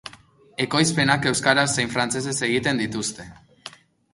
Ekoizpenak euskaraz zein frantsesez egiten dituzte.